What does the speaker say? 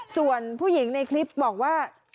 ส่วนผู้หญิงในคลิปบอกว่า